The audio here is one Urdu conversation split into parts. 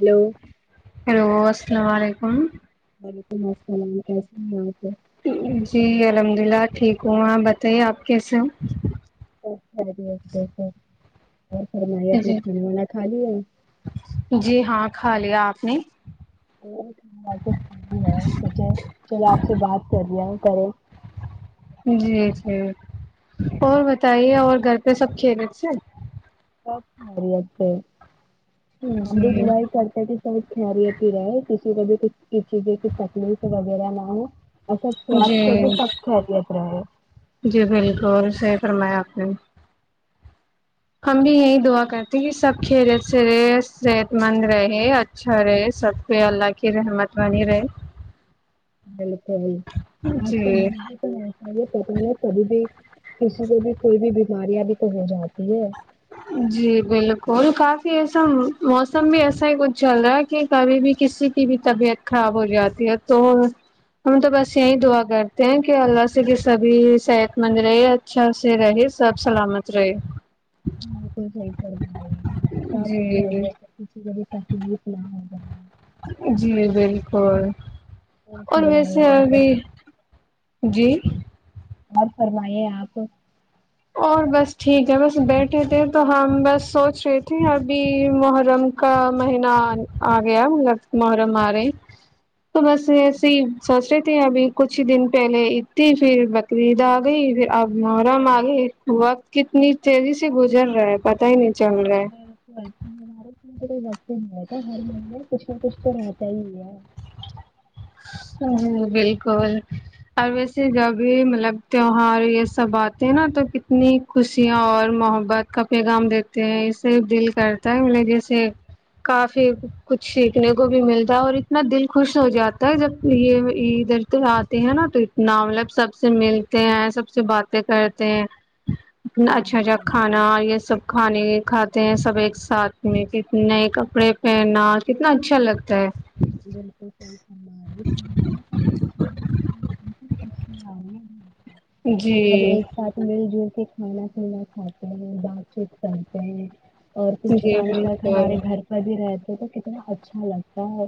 ہلو [inaudible] رو السلام علیکم وعلیکم السلام کیس ہیں جی الحمد للہ ٹھیک ہوں آ بتائیے آپ کیسے ہو ا خری ا س اور فرم اپنے جی کھانے والا کھا لیے نہیں تو سچ چل آپ سے بات کر رہی ہوں کریں جی جی اور بتائیے اور گھر پہ سب کھیلے تھے سپ میا پ ہم تو جی دعائی کرتے کہ سبید کھیلیاتی رہے کھی کچھ چیزیں کی تکلی وغیرہ نہ ہو سب جی سواستھ پہ بھی سب خیریت رہے جی بالکل صحی فرمایا آپ ہوں ہم بھی یہی دعا کرتے کہ سب کھیلے سے رے صحت مند رہے اچھا رہے سب پ اللہ کی رحمت بنی رہے بالکل آج کا جی یوگ بھی تو ایسا یہ پتا ہے کبھی بھی کسی کو بھی کوئی بھی بیماریاں بھی تو ہو جاتی ہے جی بالکل کافی ایسا موسم بھی ایسا ہی کچھ چل رہا ہے کہ کبھی بھی کسی کی بھی طبیعت خراب ہو جاتی ہے تو ہم تو بس یہی دعا کرتے ہیں کہ اللہ سے کہ سبھی صحت مند رہے اچھا سے رہے سب سلامت رہے مالکل صحیح پڑ رہے ہیں آپپہ جی ج کسیری ستی سلام جی بالکل اور ویسے فرمائیے یہ آپ ابھی جی اور فرمے آپ اور بس ٹھیک ہے بس بیٹھے تھے تو ہم بس سوچ رہے تھے ابھی محرم کا مہینہ آ گیا محرم آ رہے تو بس ایسے ہی سوچ رہے تھے ابھی کچھ ہی دن پہلے اید تھی پھر بقریدہ آب آرام بالکل آگے وقت کتنی تیزی سے گزر رہا ہے پتا ہی نہیں چل رہا ہے ب مار کوئی وقت ہی نہیں رہتا ہر مہینے کچھ نہ کچھ تو رہتا ہی ج بالکل اور ویسے جب بھی مطلب تیوہار یہ سب آتے ہیں نا تو کتنی خوشیاں اور محبت کا پیغام دیتے ہیں اس سے دل کرتا ہے م جیسے کافی کچھ سیکھنے کو بھی ملتا ہے اور اتنا دل خوش ہو جاتا جب یہ عید اھردھر آتے ہیں نا تو اتنا مطلب سب سے ملتے ہیں سب سے باتیں کرتے ہیں اچھا اچھا بالکل کھانا یہ سب کھانے کھاتے ہیں سب ایک ساتھ میں کت نئے کپڑے پہنا کتنا اچھا لگتا ہے بالکل صحی [inaudible] اب جی ایک ساتھ مل جل کے منا پلا خات بات چیت چلتے اور کچھ جی ٹائم تک ہمارے بالکل گھر پر بھی رہتے تو کتنا اچھا لگتا ہے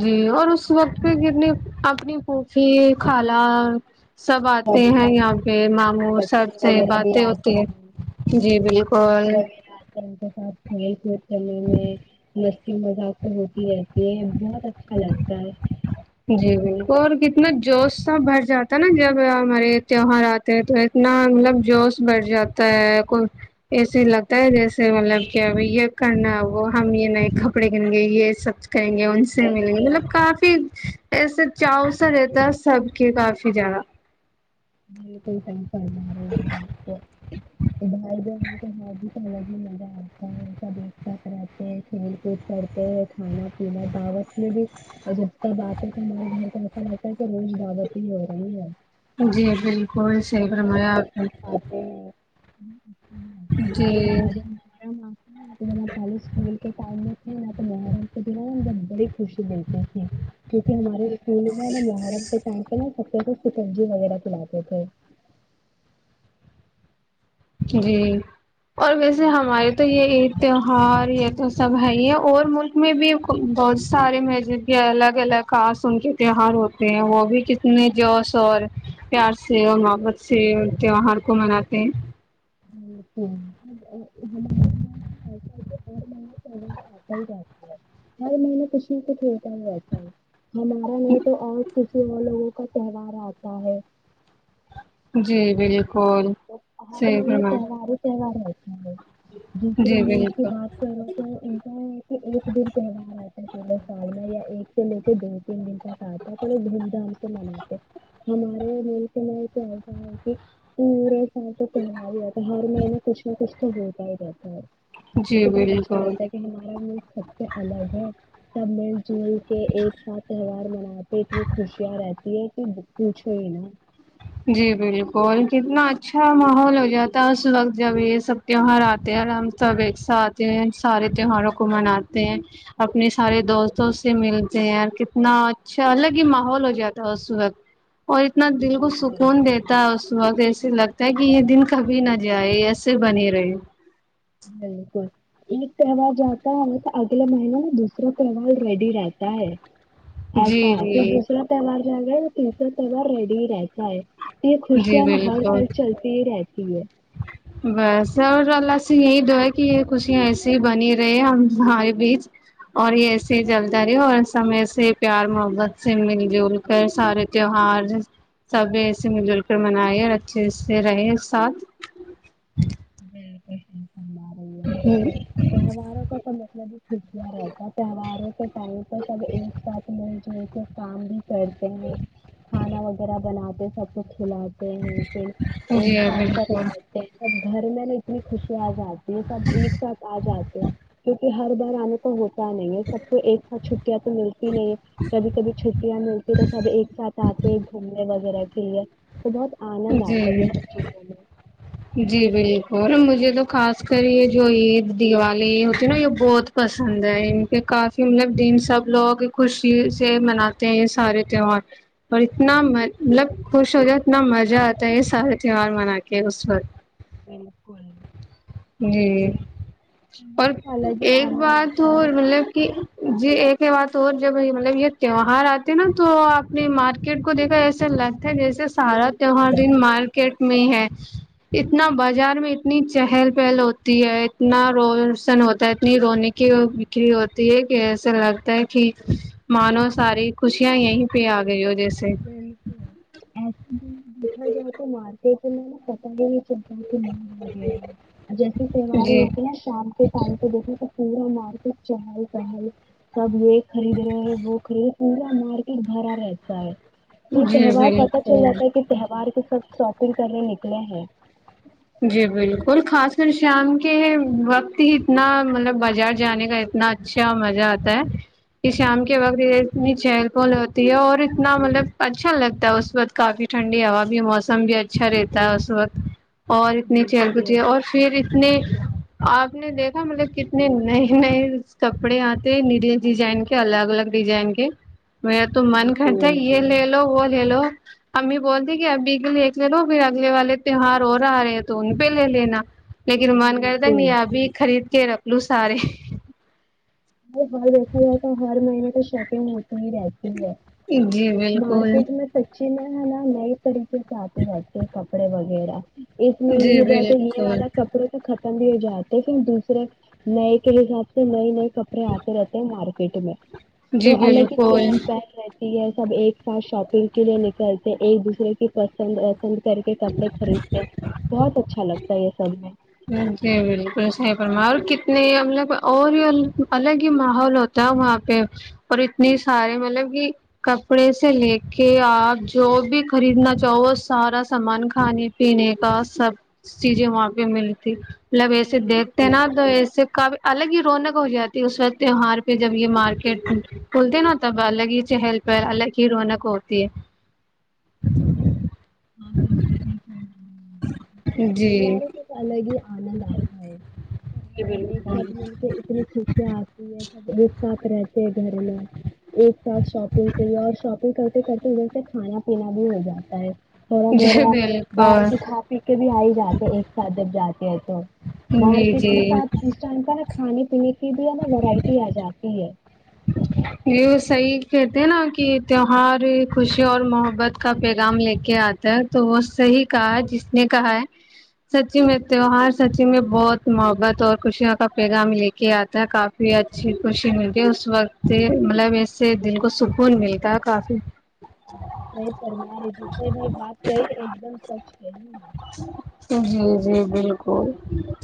جی اور اس وقت پہ کتنی اپنی پوفھی خالا سب بچے سے وغیرہ بھی باتیں ہوتی آتے ہیں جی بچے بالکل وغیرہ آتے ان کے ساتھ کھیل کود چلنے میں ج مزہ ہوتی رہتی ہے بہت اچھا لگتا ہے ہ جی ج اور کتنا جوش سا بڑ جاتا ہے نا جب ہمارے تیوہار آتے ہیں تو اتنا مطلب جوش بڑ جاتا ہے کو ایسے لگتا ہے جیسے مطلب کہ اب یہ کرنا وہ ہم یہ نئے کپڑے گن گے یہ سب کریں گے ان سے ملیں گے بالکل مطلب کافی ایسے چاؤ سا رہتا سب کے کافی جیادہ بالکل صحی پارپدگ الگ ہی مزہ آتا ہے سب ایک ساتھ رہتے ہیں کھیل کود کرتے ہیں کھانا پینا دعوت میں بھی جب تب آتے ہے تو ہمارے گھر پ ایسا رہتا ہے کہ روز دعوت ہی ہو رہی ہے جی بالکل سب سیک ساتھ رمایا مل آپ نے جی نر آ تو پہلے کل کے ٹائم میں تھ تو نرام تو د ج خوشی دیتے تھ کیونکہ ہمارے اسکول میں نا مہارت کے ٹائم پہ نا سب نجی وغیرہ چلااتے تھے جی اور ویسے بہت ہمارے اچھا تو یہ لگتا عید تھا تہوہار یہ تو سب ہے یہ اور ملک میں بھی بہت سارے مذب کے الگ الگ خاص ان کے تیوار ہوتے ہیں وہ بھی کتنے جوش اور پیار سے اور محبت سے تیوہار کو مناتے ہیں ار ایسا ہر مہ آتا ہی رہتا ہے ہر مہین کچھ نہ کچھ ہوتا ہی رہتا ہے ہمارا نہیں تو اور کچھ ص وہ لوگوں کا تہوار آتا ہے جی بال تو بہر مگ تہوار ہی تہوار ہے اچ دوسرے جی مئی کی بالکل بات کرو تو ان کا کہ ایک دن تہوار آتا پورےڑ میں یا ایک سے لے کے دو تین دن تک آتا ہے پڑ دھوم دھام سے مناتے ہمارے مل کے مل سے ایسا ہے کہ اور ہاں تو تہار ہی آ تھا ہر مہینے کچھ نہ کچھ تو ہوت ہی رہتا ہے تو جی کتنا اچھا بالکل لگتا ہے کہ ہمارا ملک سب سے الگ ہے تم جو [inaudible] ایک ساتھ تہوار مناتے اتنی خوشیاں رہتی [unintelligible] یہ تو پوچھوئی نا [unintelligible] جی بالکل کتنا اچھا ماحول ہو جاتا ہے اس وقت جب یہ سب تیوہار آتے ہیں آرام سے اب ایک ساتھ آتے ہیں سارے تیوہاروں کو مناتے ہیں اپنے سارے دوستوں سے ملتے ہیں اور کتنا اچھا الگ ہی ماحول ہو جاتا ہے اس وقت [unintelligible] اور اتنا دل کو سکھ بالکل [unintelligible] دیتا ہے اس وقت ایسے لگتا ہے کہ یہ دن کبھی نہ جائے ایسے بنی رہے [unintelligible] بالکل ایک تہوار جاتا ہے تو اگلے مہیین ن دوسرا تہوار ریڈی رہتا ہے [unintelligible] جی ایسا ہے پھر جی دوسرا تہوار [unintelligible] سگ تسا سگا ریڈی رہتا ہے [unintelligible] جی خوشیاں نا ہر بالکل سال چلتی ہی رہتی ہے بس اور اللہ [unintelligible] یہی دو ہے کہ یہ خوشیاں ایے ہی بنی رہی ہم ہمارے بیچ اور یہ ایسے ہی چلتا رہی اور سب میں سے پیار محبت سے مل جل کر سارے تیوہار سب ایسے مل جل کر [unintelligible] من اور اچھے سے رہے ساتھ [unintelligible] بالکل [inaudible] ہوں [inaudible] تو مطلب ہیھکیا رہتا ہے تہواروں کے ٹائم پر سب ایک ساتھ مل جل کے کام بھی کرتے ہیں کھانا وغیرہ بناتے سب کچھ [unintelligible] کھلاتے ہیں پھر ایک جی ساتھ سب بالکل رہتے ہیں سب [unintelligible] گھر میں ن اتنی خوشی آ جاتی [unintelligible] یہ سب ایک ساتھ آ جاتے [unintelligible] ہر بار آنے کا ہوتا [unintelligible] نہیں ہے سب کو ایک ساتھ چھٹیاں تو ملتی نہیں ہے کبھی کبھی چھٹیاں ملتی تو سب ایک ساتھ آتے ہیں گھومنے وغیرہ [unintelligible] ہے وہ بہت [unintelligible] آتا ہے یہ سب چیزوں میں جی جی بال [unintelligible] اور مجھے تو خاص کر یہ جو عید دیوالی ہوتی ہے نا یہ بہت پسند ہے ان کے کافی مطلب دن سب لوگ خوشی سے مناتے ہیں یہ سارے تیوار اور اتنا م مطلب خوش ہو جائے اتنا مز [unintelligible] مہ آتا ہے یہ سارے تیوار منا کے اس وقت بالکل [unintelligible] جی اور تہوار کا الگ ہی ایک آنند بات ہوتا ہے اور مطلب کہ [unintelligible] جی ایک ہی بات اور جب مطلب یہ توار آتے نا تو آپ نے مارکیٹ کو دیکھا ایسا [unintelligible] تھ جیسے سارد [unintelligible] بالکل جہ مارک [unintelligible] میٹ میں ہے اتنا بازار میں اتنی چہل پہل ہوتی ہے اتنا روشن ہوتا ہے اتنی رونیقی بکری ہوتی ہے کہ ایسا لگتا ہے کہ مانو ساری خوشیاں یہیں پہ آ گئی ہوتی [unintelligible] بالکل آپ [unintelligible] دیکھا جائے تو مارک تو میں نے پتا ہے [unintelligible] مگ وغیرہ جیسے تہوار جی ہوتے نا شام کے ٹائم پہ دیکھیں تو پورا مار [unintelligible] ب چہل چہل سب یہ خرید رہے ہیں وہ خرید رہے پورا مارکیٹ بھرا رہتا ہے تو جی تہوار پتہ چل بالکل جاتا ہے کہ تہوار ک سب شاپنگ کرنے نکلے ہیں جی بالکل خاص کر شام کے وقت ہی اتنا مطلب بازار جانے کا اتنا اچھا مزہ آتا ہے کہ شام کے وقت اتنی چہل پھہل ہوتی ہے اور اتنا مطلب اچھا لگتا ہے اس وقت کافی ٹھنڈی ہوا بھی موسم بھی اچھا رہتا ہے اس وقت اور اتنی چیل بالکل بجھے اور پھر آپ نے دیکھا مطلب کتنے نئے نئے کپڑے آتے نیلے ڈیزائن کے الگ الگ ڈیزائن کے میرا تو من کررتا ہے بالکل یہ لے لو وہ لے لو امی بولتی کہ ابھی کے ل ل لو پھر اگلے والے تیوار رو رہا رہے ہیں تو ان پہ لے لینا لیکن من کر تک بالکل نہیں ابھی خرید کہ رپ لو سارے [unintelligible] ہر دیکھا جائے تو ہر مہینے تو شاپنگ ہوتی [unintelligible] رہتی ہے جی بالکل مارکیٹ میں سچی میں ہاں نہیںتڑی [unintelligible] پھر جاہ کے بیٹھے کپڑے و [unintelligible] گڑا [unintelligible] اس مہینے جی میں جو ہوتے یہ بالکل والا کپڑے کا ے جاتے پھر دوسرے نئے کے حساب سے نئے نئے کپڑے [unintelligible] کپڑے آتے رہتے ہیں مارکیٹ میں تو جی الگ ہی چہل بالکل پہن رہتی ہے سب ایک ساتھ شاپنگ کے لیے نکلتے ایک دوسرے کی پس وس کر کے کپڑے خریدتے بہت اچھا لگتا ہے یہ سب میں نہیں مطلب اور ہی الگ ہی ماحول ہوتا ہے وہاں پہ اور اتنی سارے مطلب کہ کپڑے سے لے کے آپ جو بھی خریدنا چاہو وہ سارا سامان کھانے پینے کا سب چیزیں وہاں پہ مل ڈگ [unintelligible] مطلب ایسے دیکھتے ہیں بالکل نا تو ایسے کافی الگ ہی رونق ہو جاتی ہے اس وقت تیوہار پہ جب یہ مارکیٹ کھولتے نا تب الگ ہی چہل پہل الگ ہی رونق ہوتی ہے ہاں بالکل صحیح فرما رہی ہیں آپ۔ ہی [unintelligible] الگ ہی آنند آتا ہے جی سب ایک بالکل ساتھ ملتے اتنی خوشیاں آتی ہیں سب ایک ساتھ رہتے ہیں گھر میں ایک ساتھ شاپنگ کے ہی اور شاپنگ کر [inaudible] کرتے ادھر سے کھانا پینا بھی ہو جاتا ہے تھوڑا جی بوڑا باہر بالکل کی کھا پی کے بھی آ ہی جاتے ایک [inaudible] جاتے ہے تو جی مارکیٹ میں جی ساتپ کس ٹائم کا ہے کھانے پینے بھی ہے نا ویرائٹی آ جات ہے یہی وہ صحیح کہتے ہیں نا کہ تیوہار خوشی اور محبت کا پیغام لے کے آتا ہے تو وہ صحیح کہا ہے جس نے کہا ہے سچی میں تیوہار سچی میں بہت محبت اور خوشی کا پیغام لے کے آتا ہے کافی اچھی خوشی ملیتی اس وقت مطلب اس سے دل کو سکون ملتا ہے کافی نہیں فمے جتنے بھی یہ بات کہی ایک دم سچ کہی میں جی جی بالکل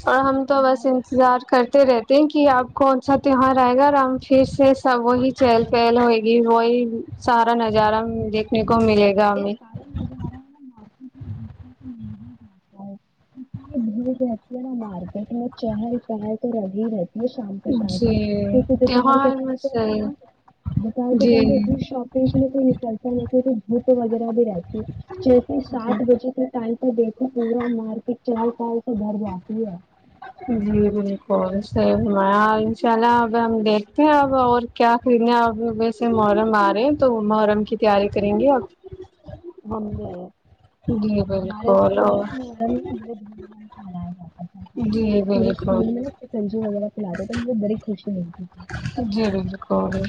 اور ہم تو بس ہمارے انتظار کرتے رہتے کہ آپ کون سا تیوار آئے گا اور ہم پھر سے سب وہی چہل پہل ہوئے گی وہی سارا نظارہ دیکھنے کو ملے گا یہ ہمیں سارا نظارا ہے م اتنی بھیڑ رہتی ہے نا مارکیٹ میں چہل پہل تو لگی رہتی شام کے ٹائم پہ جی کیونکہ دوپہر کے تہوار میں ٹائم پ سے ہے نا دوپہر کے جی ٹائم تو اتنی شاپنگ کے لیے کوئی نکلتا نہیں کیونکہ ب وغیرہ بھی جیسے جی سات بجے کے ٹائم پر بیٹھے ملا مارک کیا حال خال جی جی صح ان شاء اللہ اب ہم دیکھتے ہیں اب اور کیا خریدنے اب ویسے محرم آ رہے ہیں تو محرم کی تیاری کریں گے اب ہم نے جی ہمارے بالکل اسکول میں اور نا ا جی پورے بالکل اسکول میں سنجو وغیرہ کلا رہے تو مجھے بڑی خوشی ملتی تھی جی بالکل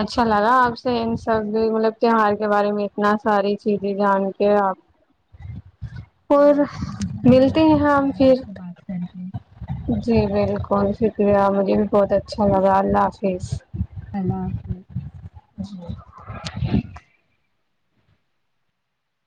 اچھا لگا آپ سے ان سب مطلب تیوار کے بارے میں اتنا ساری چیزیں جان کے آپ اور بالکل مجھے بھی ملتے بہت ہیں یہاں اچھا ہم لگا پھر آپ سے بات کر کے جی بالکل شکریہ مجھے بھی بہت اچھا لگا اللہ حافظ اللہ ج